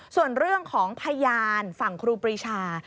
ส่วนเรื่องของพยานฝั่งครูปรีชา